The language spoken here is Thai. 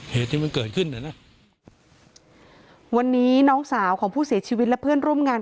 เหตุที่มันเกิดขึ้นเนี่ยนะวันนี้น้องสาวของผู้เสียชีวิตและเพื่อนร่วมงาน